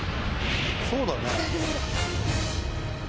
そうだね。